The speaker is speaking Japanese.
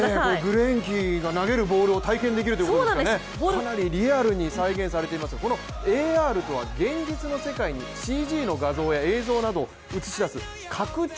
グレインキーが投げるボールを体験できるということでねかなりリアルに再現されていますが、このＡＲとは現実の世界にＣＧの画像や映像などを映し出す拡張